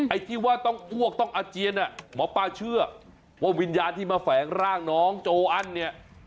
ไอ้ที่ว่าต้องอ้วกต้องอาเจียนหมอป้าเชื่อว่าวิญญาณที่มาแฝงร่างน้องโจอันเนี่ย